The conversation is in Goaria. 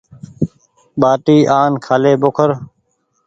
ٻآٽي آن کآلي ٻوکر۔